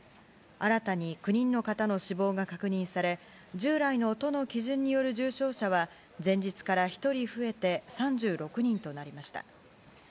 新たに９人の方の死亡が確認され従来の都の基準による重症者は前日から１人増えて３６人となりました。